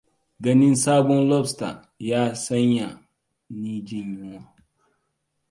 Ganin sabon lobster ya sanya ni jin yunwa.